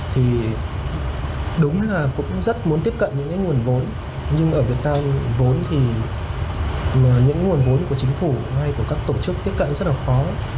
thì đúng là cũng rất muốn tiếp cận những cái nguồn vốn nhưng ở việt nam vốn thì những nguồn vốn của chính phủ hay của các tổ chức tiếp cận rất là khó